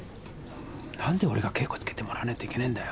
なんでおれが稽古つけてもらわねえといけねえんだよ？